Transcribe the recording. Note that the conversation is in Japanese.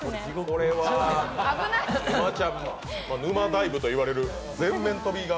これは沼ダイブと言われる前面跳びが。